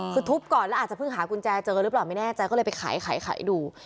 คือทุบก่อนแล้วอาจจะเพิ่งหากุญแจเจอกันหรือเปล่าไม่แน่ใจก็เลยไปขายดู